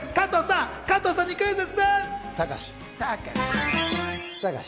加藤さんにクイズッス！